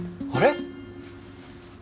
あれ？